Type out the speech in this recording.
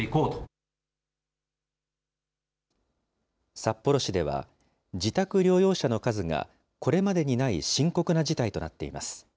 札幌市では、自宅療養者の数がこれまでにない深刻な事態となっています。